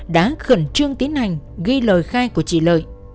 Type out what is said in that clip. đã khẩn trương tiến hành ghi lời khai của chị lợi